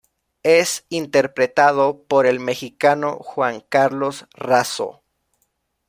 Es interpretado por el Mexicano Juan Carlos Razo.